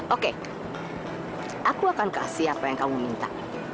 oke aku akan kasih apa yang kamu minta